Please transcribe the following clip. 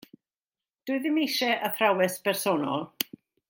Dw i ddim eisiau athrawes bersonol.